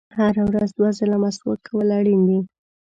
• هره ورځ دوه ځله مسواک کول اړین دي.